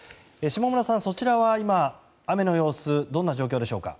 下村さん、そちらは今雨の様子どんな状況でしょうか。